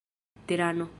terano